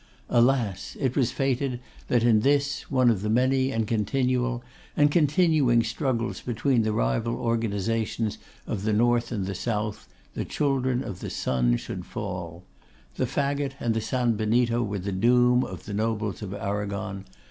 Alas! it was fated that in this, one of the many, and continual, and continuing struggles between the rival organisations of the North and the South, the children of the sun should fall. The fagot and the San Benito were the doom of the nobles of Arragon.